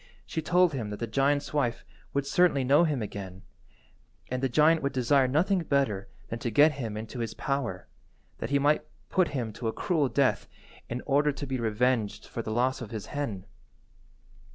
She told him that the giant's wife would certainly know him again, and the giant would desire nothing better than to get him into his power, that he might put him to a cruel death in order to be revenged for the loss of his hen.